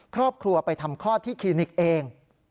ครอบครัวไปทำคลอดที่คลินิกเอง